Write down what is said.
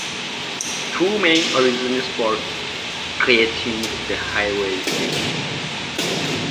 Two main reasons for creating the highway exist.